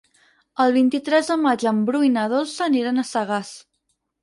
El vint-i-tres de maig en Bru i na Dolça aniran a Sagàs.